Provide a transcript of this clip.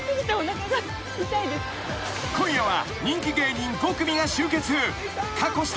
［今夜は］